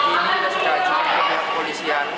tadi kita sudah ajukan ke pihak polisian